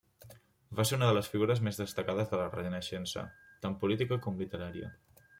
Va ser una de les figures més destacades de la Renaixença, tant política com literària.